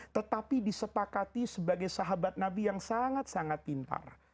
tetapi disepakati sebagai sahabat nabi yang sangat sangat pintar